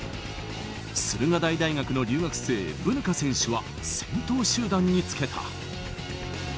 駿河台大学の留学生、ブヌカ選手は先頭集団につけた。